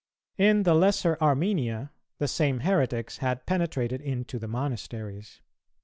In the lesser Armenia, the same heretics had penetrated into the monasteries.